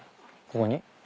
ここに。